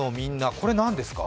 これなんですか？